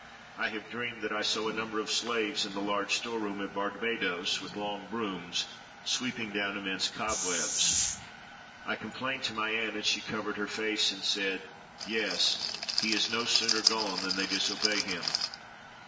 I have dreamed that I saw a number of slaves in the large store room at Barbadoes, with long brooms, sweeping down immense cobwebs. I complained to my aunt, and she covered her face and said, 'Yes, he is no sooner gone than they disobey him.